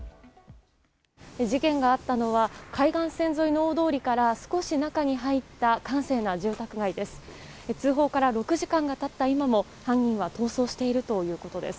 事件があったのは海岸線沿いの大通りから少し中に入った閑静な住宅街です。